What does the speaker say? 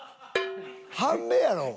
半目やろ？